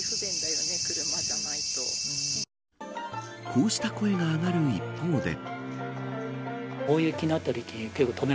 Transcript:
こうした声が上がる一方で。